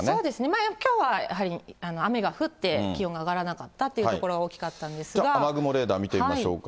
まあ、きょうは、やはり雨が降って気温が上がらなかったという所が大きかったんで雨雲レーダー見てみましょうか。